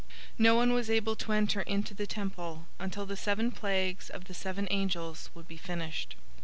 No one was able to enter into the temple, until the seven plagues of the seven angels would be finished.